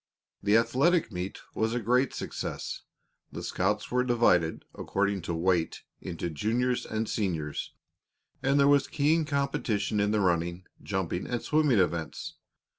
The athletic meet was a great success. The scouts were divided, according to weight, into juniors and seniors, and there was keen competition in the running, jumping, and swimming events.